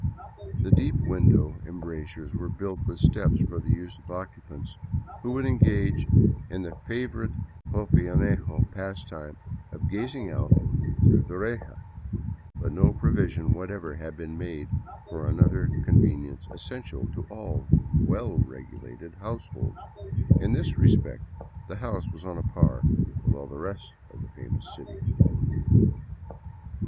The deep window em brasures were built with steps for the use of occupants who would en gage in the favorite popayanejo pastime of gazing out through the reja; but no provision whatever had been made for another con venience essential to all well regulated households. In this respect the house was on a par with all the rest of the famous city.